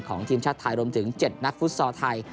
ของทีมชาติไทยรวมถึง๗นักฟุตซอลไทย